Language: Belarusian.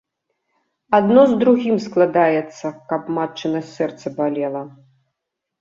Адно з другім складаецца, каб матчына сэрца балела.